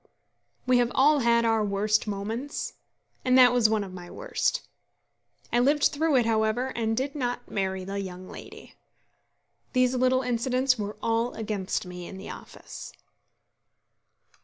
We have all had our worst moments, and that was one of my worst. I lived through it, however, and did not marry the young lady. These little incidents were all against me in the office.